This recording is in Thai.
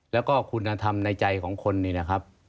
แล้วก็คุณธรรมในใจของคนนี่นะครับ